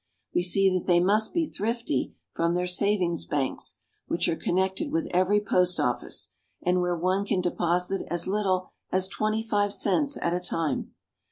We see that they must be thrifty from their savings banks, which are connected with every post office, and where one can deposit as little as twenty five cents at a time.